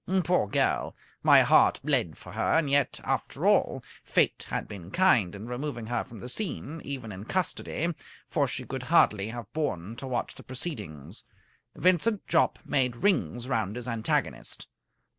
Poor girl! My heart bled for her. And yet, after all, Fate had been kind in removing her from the scene, even in custody, for she could hardly have borne to watch the proceedings. Vincent Jopp made rings round his antagonist.